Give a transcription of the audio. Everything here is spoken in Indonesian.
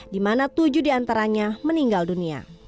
di mana tujuh diantaranya meninggal dunia